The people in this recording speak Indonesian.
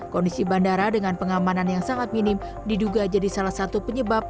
kondisi bandara dengan pengamanan yang sangat minim diduga jadi salah satu penyebab